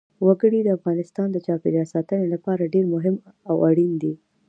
وګړي د افغانستان د چاپیریال ساتنې لپاره ډېر مهم او اړین دي.